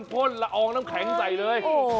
พ่นล้องน้ำแข็งไอ้โอย